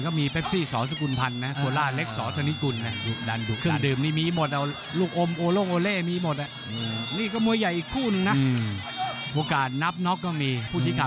ก็มวยใหญ่อีกคู่หนึ่งนะอืมโอกาสนับน็อกก็มีผู้ชิ้นข่าว